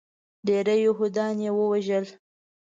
ډیری یهودیان یې ووژل.